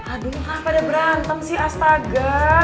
aduh kenapa ada berantem sih astaga